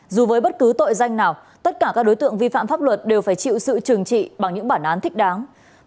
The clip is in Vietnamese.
dù với bất cứ tội danh nào tất cả các đối tượng vi phạm pháp luật đều phải chịu sự trừng trị bằng những bản án thích đáng